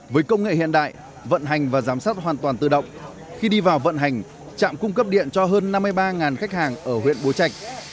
với công nghệ hiện đại vận hành và giám sát hoàn toàn tự động khi đi vào vận hành trạm cung cấp điện cho hơn năm mươi ba khách hàng ở huyện bố trạch